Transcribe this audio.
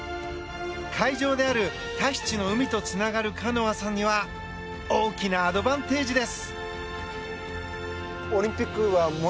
会場であるタヒチの海とつながるカノアさんには大きなアドバンテージです。